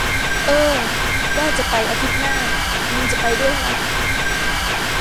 เอ้อ ว่าจะไปอาทิตย์หน้า มึงจะไปด้วยมะ